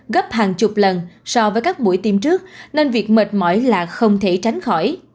gấp hàng chục lần so với các buổi tiêm trước nên việc mệt mỏi là không thể tránh khỏi